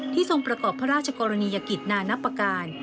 ทรงประกอบพระราชกรณียกิจนานับประการ